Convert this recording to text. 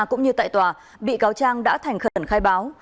cũng như tại tòa bị cáo trang đã thành khẩn khai báo